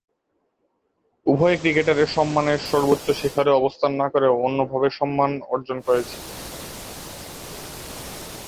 উভয়েই ক্রিকেটারের সম্মানের সর্বোচ্চ শিখরে অবস্থান না করেও অন্যভাবে সম্মান অর্জন করেছি।